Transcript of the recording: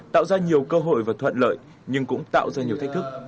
tạo ra nhiều cơ hội và thuận lợi nhưng cũng tạo ra nhiều thách thức